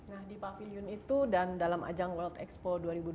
nah di pavilion itu dan dalam ajang world expo dua ribu dua puluh